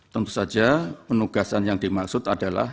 tentu saja penugasan yang dimaksud adalah